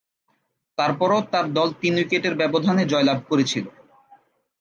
তারপরও তার দল তিন উইকেটের ব্যবধানে জয়লাভ করেছিল।